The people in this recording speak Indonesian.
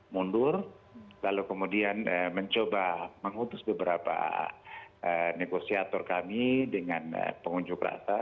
mundur lalu kemudian mencoba mengutus beberapa negosiator kami dengan pengunjuk rasa